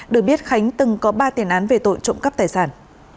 được biết khánh từng có ba tiền án về tội trộm cắp tài sản